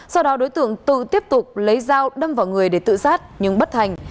sau đó đối tượng tự tiếp tục lấy dao đâm vào người để tự sát nhưng bất thành